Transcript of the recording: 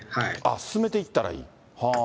進めていったらいい？